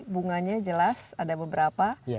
bunganya jelas ada beberapa